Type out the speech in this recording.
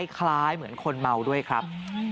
คล้ายเหมือนคนเมาด้วยครับ